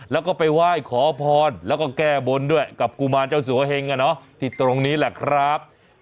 แล้วก็ไปไหว้ขอพรแล้วก็แก้บนด้วยกับกุมารเจ้าสัวเฮงที่ตรงนี้แหละครับ